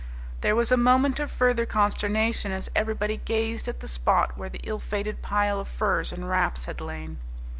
There was a moment of further consternation as everybody gazed at the spot where the ill fated pile of furs and wraps had lain.